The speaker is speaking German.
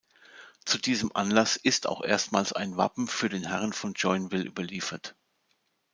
Zu diesem Anlass ist auch erstmals ein Wappen für denn Herren von Joinville überliefert.